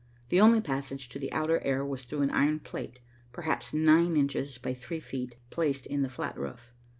The only passage to the outer air was through an iron plate, perhaps nine inches by three feet, placed in the flat roof.